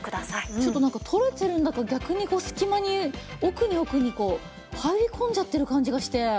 ちょっとなんか取れてるんだか逆に隙間に奥に奥にこう入り込んじゃってる感じがして。